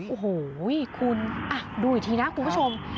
โอ้โหคุณดูอีกทีนะคุณผู้ชม